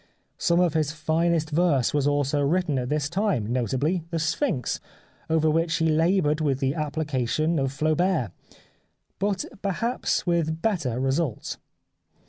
Some of his finest verse was also written at this time, notably '' The Sphynx," over which he laboured with the appli cation of Flaubert, but perhaps with better re sults.